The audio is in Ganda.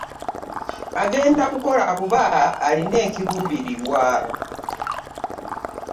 Agenda kukola kuba alina ekiruubirirwa.